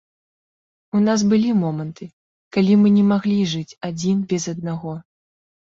У нас былі моманты, калі мы не маглі жыць адзін без аднаго.